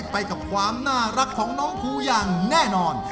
ไปกับความน่ารักของน้องภูอย่างแน่นอน